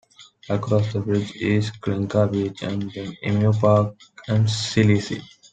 Across the bridge, is Kinka Beach, and then Emu Park and Zilzie.